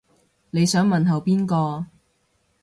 你想問候邊個